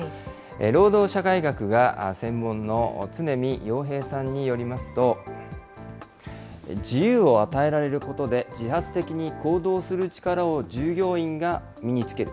労働社会学が専門の常見陽平さんによりますと、自由を与えられることで、自発的に行動する力を従業員が身につける。